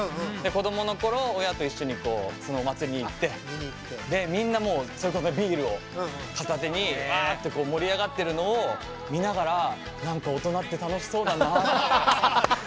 子供のころ親と一緒にお祭りに行ってみんなビールを片手にわーって盛り上がってるのを見ながら大人って楽しそうだなって。